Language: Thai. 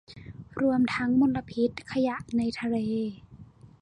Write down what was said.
รวมทั้งมลพิษขยะในทะเล